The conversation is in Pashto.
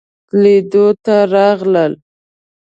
لیدلو ته راغلل.